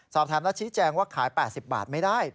สอบถามแล้วชี้แจงว่าขาย๘๐บาทไม่ได้